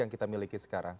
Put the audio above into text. yang kita miliki sekarang